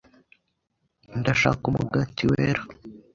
Ndashaka umugati wera.